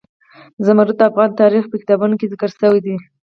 زمرد د افغان تاریخ په کتابونو کې ذکر شوی دي.